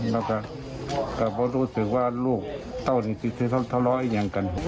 เราก็อาจก็กลัวตกว่าลูกต้องทะเลาะอย่างกัน